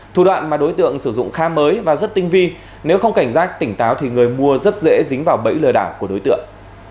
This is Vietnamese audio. thủ đoạn mà đối tượng sử dụng khá mới và rất tinh vi nếu không cảnh giác tỉnh táo thì người mua rất dễ dính vào bẫy lừa đảo của đối tượng